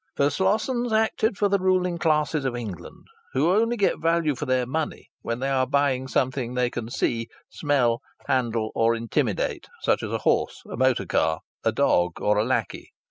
For Slossons acted for the ruling classes of England, who only get value for their money when they are buying something that they can see, smell, handle, or intimidate such as a horse, a motor car, a dog, or a lackey.